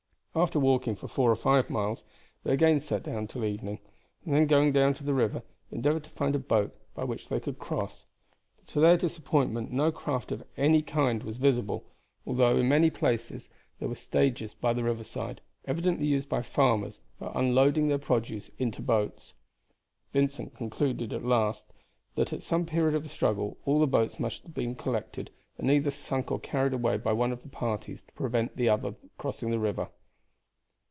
After walking for four or five miles they again sat down till evening, and then going down to the river endeavored to find a boat by which they could cross, but to their disappointment no craft of any kind was visible, although in many places there were stages by the riverside, evidently used by farmers for unloading their produce into boats. Vincent concluded at last that at some period of the struggle all the boats must have been collected and either sunk or carried away by one of the parties to prevent the other crossing the river.